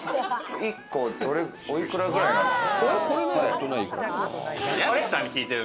１個、お幾らぐらいなんですか？